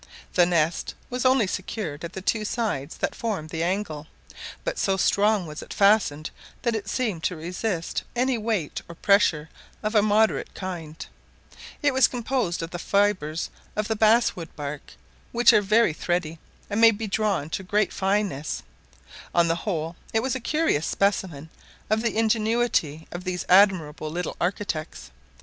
The nest was only secured at the two sides that formed the angle, but so strong was it fastened that it seemed to resist any weight or pressure of a moderate kind; it was composed of the fibres of the bass wood bark; which are very thready, and may be drawn to great fineness: on the whole it was a curious specimen of the ingenuity of these admirable little architects.